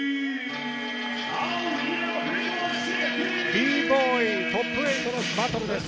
Ｂ−ＢＯＹトップ８のバトルです。